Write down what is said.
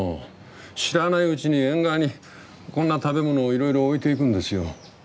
知らないうちに縁側にこんな食べ物をいろいろ置いていくんですよ。